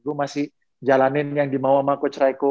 gue masih jalanin yang dimau sama coach raiko